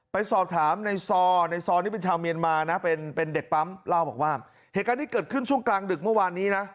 ไปสอบถามในซอในซอนี่เป็นชาวเมียนมานะเป็นเป็นเด็กปั๊มเล่าบอกว่าเหตุการณ์ที่เกิดขึ้นช่วงกลางดึกเมื่อวานนี้นะ